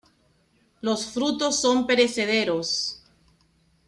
Los frutos son perecederos.